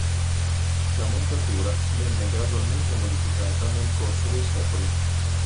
La montatura venne gradualmente modificata nel corso dei secoli.